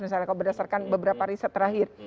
misalnya kalau berdasarkan beberapa riset terakhir